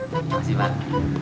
terima kasih pak